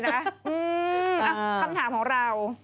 อ้าวคำถามของเรา